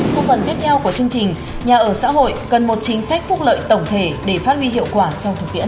trong phần tiếp theo của chương trình nhà ở xã hội cần một chính sách phúc lợi tổng thể để phát huy hiệu quả trong thực tiễn